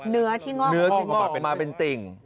เนื้อที่งอกออกมาเป็นติ่ง